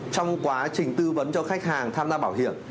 trong quá trình tư vấn cho khách hàng tham gia bảo hiểm